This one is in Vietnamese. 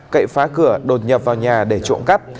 cậy phá cửa đột nhập vào nhà để trộm cắp